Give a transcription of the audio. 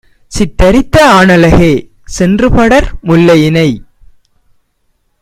சித்தரித்த ஆணழகே, சென்றுபடர் முல்லையினைக்